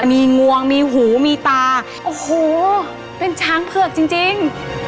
มีงวงมีหูมีตาโอ้โหเป็นช้างเผือกจริง